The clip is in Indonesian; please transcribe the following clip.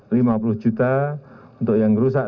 lima puluh juta untuk yang rusak